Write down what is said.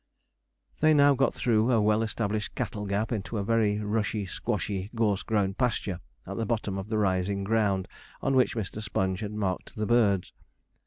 They now got through a well established cattle gap into a very rushy, squashy, gorse grown pasture, at the bottom of the rising ground on which Mr. Sponge had marked the birds.